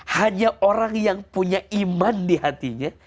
hanya orang yang punya iman di hatinya